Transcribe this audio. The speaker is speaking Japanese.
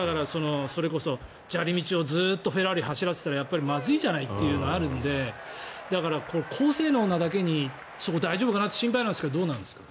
それこそ砂利道をずっとフェラーリを走らせたらやっぱりまずいじゃないというのはあるのでだから高性能なだけに大丈夫かなと心配なんですがどうですか？